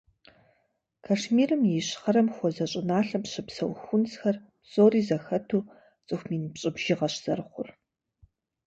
Кашмирым и ищхъэрэм хуэзэ щӏыналъэм щыпсэу хунзхэр псори зэхэту цӏыху мин пщӏы бжыгъэщ зэрыхъур.